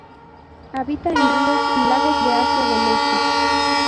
Habita en ríos y lagos de Asia del Este.